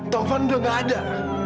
taufan udah gak ada